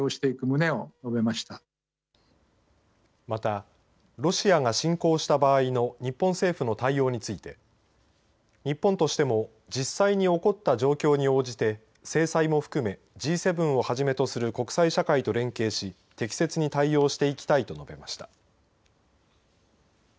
またロシアが侵攻した場合の日本政府の対応について日本としても実際に起こった状況に応じて制裁も含めＧ７をはじめとする国際社会と連携し適切に対応していきたいと述べました。